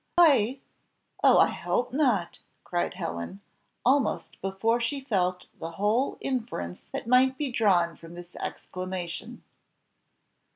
"I! oh, I hope not!" cried Helen, almost before she felt the whole inference that might be drawn from this exclamation.